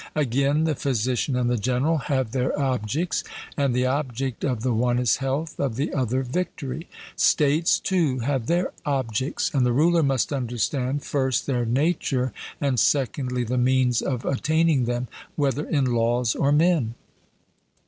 Again, the physician and the general have their objects; and the object of the one is health, of the other victory. States, too, have their objects, and the ruler must understand, first, their nature, and secondly, the means of attaining them, whether in laws or men.